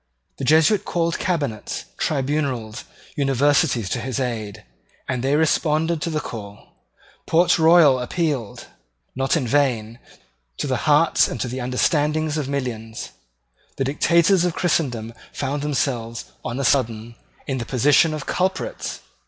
The Jesuit called cabinets, tribunals, universities to his aid; and they responded to the call. Port Royal appealed, not in vain, to the hearts and to the understandings of millions. The dictators of Christendom found themselves, on a sudden, in the position of culprits.